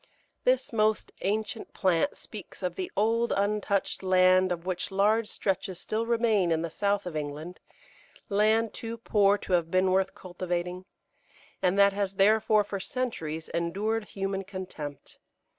This most ancient plant speaks of the old, untouched land of which large stretches still remain in the south of England land too poor to have been worth cultivating, and that has therefore for centuries endured human contempt.